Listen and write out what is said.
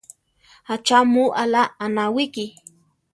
¿Achá mu alá anáwiki?